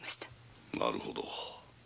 なるほど。